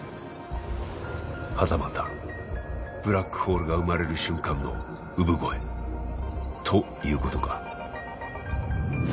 はたまたブラックホールが生まれる瞬間の産声ということか。